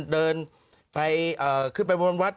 เดินไปขึ้นไปบนวัด